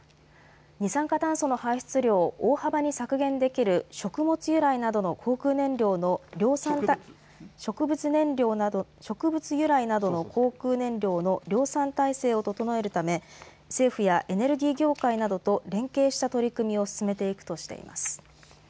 二酸化炭素の排出量を大幅に削減できる植物由来などの航空燃料の量産体制を整えるため政府やエネルギー業界などと連携した取り組みを進めていくとしています。